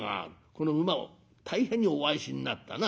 この馬を大変にお愛しになったな。